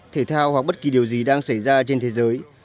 thể thao hoặc bất kỳ điều gì đang xảy ra trên thế giới